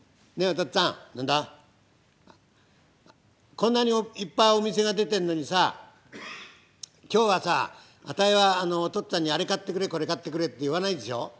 「こんなにいっぱいお店が出てるのにさ今日はさアタイはお父っつぁんにあれ買ってくれこれ買ってくれって言わないでしょう？」。